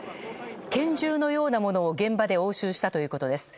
拳銃のようなものを現場で押収したということです。